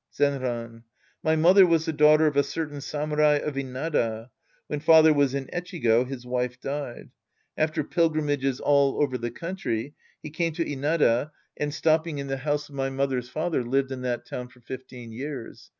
Zenran. My mother was the daughter of a certain samurai of Inada. When father was in Echigo, his wife died. After pilgrimages all over the country, he came to Inada and, stopping in the house of my 1 12 The Priest and His Disciples Act III mother's father, lived in that town for fifteen years.